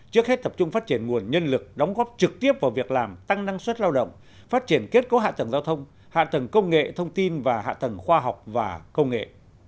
trước hết tập trung phát triển nguồn nhân lực đóng góp trực tiếp vào việc làm tăng năng suất lao động phát triển kết cấu hạ tầng giao thông hạ tầng công nghệ thông tin và hạ tầng khoa học và công nghệ